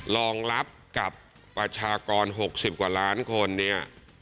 รองรับกับประชากร๖๐กว่าล้านคนเนี่ย